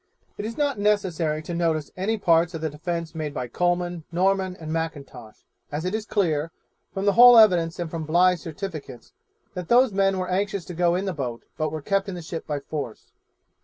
It is not necessary to notice any parts of the defence made by Coleman, Norman, and M'Intosh, as it is clear, from the whole evidence and from Bligh's certificates, that those men were anxious to go in the boat, but were kept in the ship by force.